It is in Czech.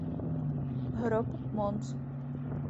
Hrob mons.